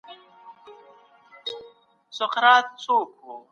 څنګه کولای سو قانون د خپلو ګټو لپاره وکاروو؟